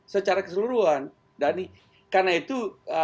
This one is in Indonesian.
secara keseluruhan dhani karena itu